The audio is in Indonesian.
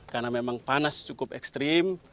karena memang panas cukup ekstrim